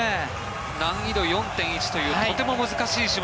難易度４．１というとても難しい種目。